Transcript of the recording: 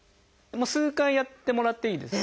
数回やってもらっていいです。